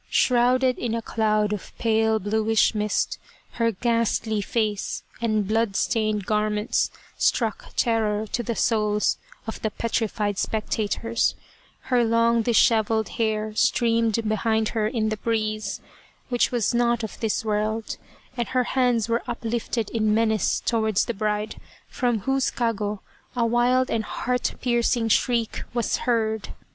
Shrouded in a cloud of pale bluish mist, her ghastly face and blood stained garments struck terror to the souls of the petrified spectators her long dishevelled hair streamed behind her in the breeze, which was not of this world, and her hands were uplifted in menace towards the bride, from whose kago a wild and heart piercing shriek was heard.